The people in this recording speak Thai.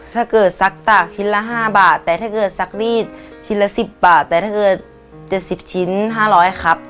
ถ้าเกิดซักตากชิ้นละ๕บาทแต่ถ้าเกิดซักรีดชิ้นละ๑๐บาทแต่ถ้าเกิด๗๐ชิ้น๕๐๐ครับ